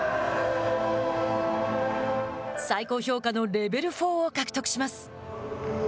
最高評価のレベル４を獲得します。